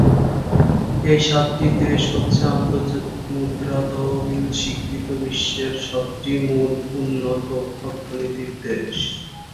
এই সাতটি দেশ হচ্ছে আন্তর্জাতিক মুদ্রা তহবিল স্বীকৃত বিশ্বের সাতটি মূল উন্নত অর্থনীতির দেশ।